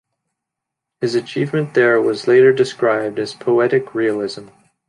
His achievement there was later described as poetic realism.